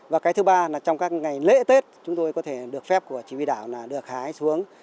và cái thứ ba là trong các ngày lễ tết chúng tôi có thể được phép của chỉ huy đảo là được hái xuống